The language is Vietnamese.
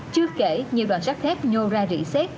chưa kể nhiều đoàn sắt thép nhô ra rỉ xét